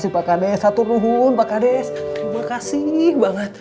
pak kades terima kasih